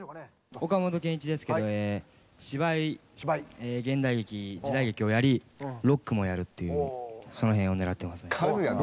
岡本健一ですけど芝居現代劇時代劇をやりロックもやるというその辺を狙ってますね。